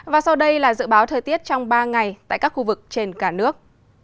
và sau đây là dự báo thời tiết trong ba ngày tại các khu vực trên cả nước